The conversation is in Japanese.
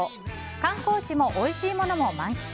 観光地もおいしいものも満喫。